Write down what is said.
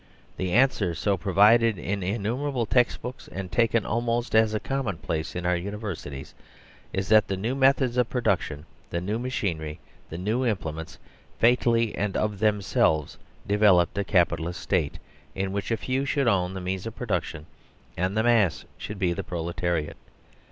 The answer so pro vided in innumerable text books, and taken almost 70 THE DISTRIBUTIVE FAILED as a commonplace in our universities, is that the new methods of production the new machinery, the new implements fatally and of themselves developed a Capitalist State in which a few should own the means of production and the mass should be proletariat.